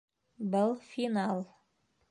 Был - финал.